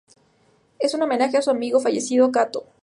Es un homenaje a su amigo fallecido Kato.